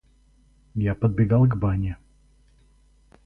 Я подбегал к бане.